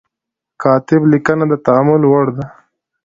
کاتب لیکنه د تأمل وړ ده.